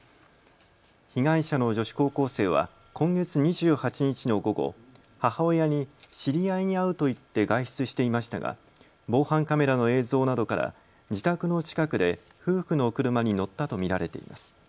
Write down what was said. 被害者の女子高校生は今月２８日の午後、母親に知り合いに会うと言って外出していましたが防犯カメラの映像などから自宅の近くで夫婦の車に乗ったと見られています。